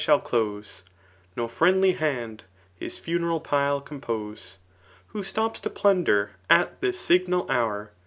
shaU close, No friendly hand his funeral pile compose. Who stops to plunder at this signal hour.